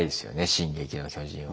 「進撃の巨人」を。